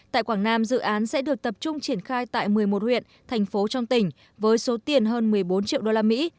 tại quảng nam dự án sẽ được tập trung triển khai tại một mươi một huyện thành phố trong tỉnh với số tiền hơn một mươi bốn triệu usd